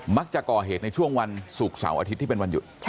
มักจะก่อเหตุในช่วงวันศุกร์เสาร์อาทิตย์ที่เป็นวันหยุด